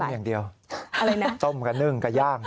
ผมต้มอย่างเดียวต้มกับนึ่งกับย่าง